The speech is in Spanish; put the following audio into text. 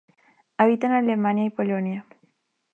Habita en Alemania y Polonia.